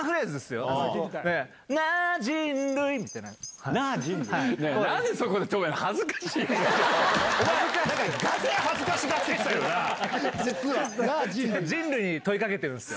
がぜん、恥ずかしがってきた人類に問いかけてるんですよ。